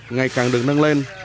ngày càng được nâng lên